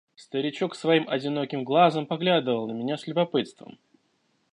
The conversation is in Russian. Старичок своим одиноким глазом поглядывал на меня с любопытством.